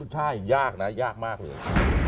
ใช่ยากนะยากมากเลย